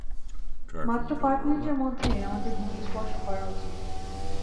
মাত্র কয়েক মিনিটের মধ্যে আমাদের ভূমি স্পর্শ করা উচিত।